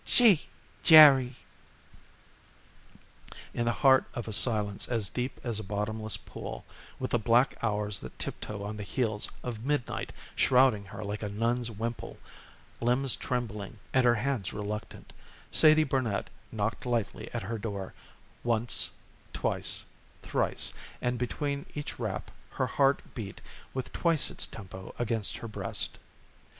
"Gee Jerry!" In the heart of a silence as deep as a bottomless pool, with the black hours that tiptoe on the heels of midnight shrouding her like a nun's wimple, limbs trembling and her hands reluctant, Sadie Barnet knocked lightly at her door, once, twice, thrice, and between each rap her heart beat with twice its tempo against her breast.